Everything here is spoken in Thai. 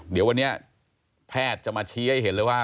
เดี๋ยววันนี้แพทย์จะมาชี้ให้เห็นเลยว่า